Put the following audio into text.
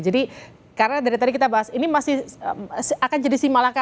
jadi karena dari tadi kita bahas ini masih akan jadi simalakama